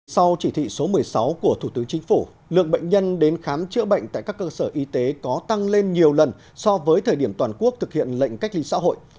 sau chỉ thị số một mươi sáu của thủ tướng chính phủ lượng bệnh nhân đến khám chữa bệnh tại các cơ sở y tế có tăng lên nhiều lần so với thời điểm toàn quốc thực hiện lệnh cách ly xã hội